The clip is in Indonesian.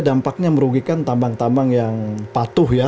dampaknya merugikan tambang tambang yang patuh ya